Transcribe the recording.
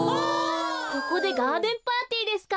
ここでガーデンパーティーですか。